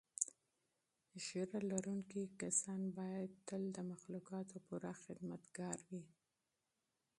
ږیره لرونکي کسان باید تل د مخلوقاتو پوره خدمتګار وي.